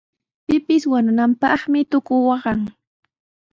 Pipis wañunanpaqmi tuku waqan.